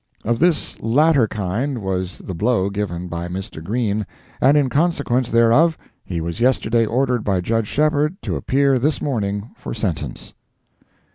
Of this latter kind was the blow given by Mr. Green, and in consequence thereof he was yesterday ordered by Judge Shepheard to appear this morning for sentence.